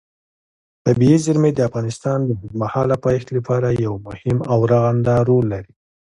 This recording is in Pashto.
طبیعي زیرمې د افغانستان د اوږدمهاله پایښت لپاره یو مهم او رغنده رول لري.